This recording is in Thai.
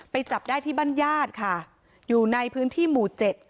จับได้ที่บ้านญาติค่ะอยู่ในพื้นที่หมู่เจ็ด